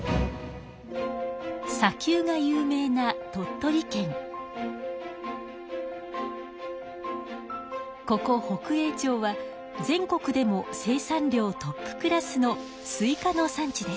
さきゅうが有名なここ北栄町は全国でも生産量トップクラスのスイカの産地です。